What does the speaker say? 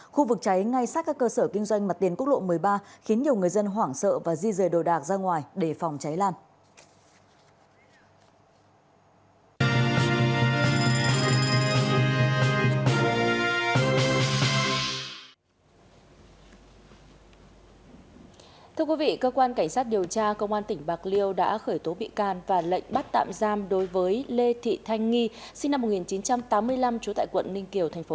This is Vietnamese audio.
khu vực cháy ngay sát các cơ sở kinh doanh mặt tiền quốc lộ một mươi ba